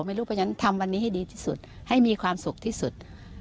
ไม่รู้เพราะฉะนั้นทำวันนี้ให้ดีที่สุดให้มีความสุขที่สุด